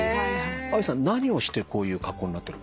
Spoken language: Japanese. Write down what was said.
ＡＩさん何をしてこういう格好になってる？